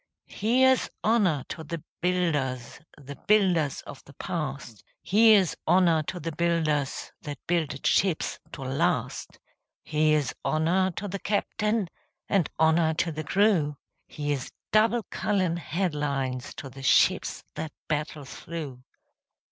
Here's honour to the builders – The builders of the past; Here's honour to the builders That builded ships to last; Here's honour to the captain, And honour to the crew; Here's double column headlines To the ships that battle through.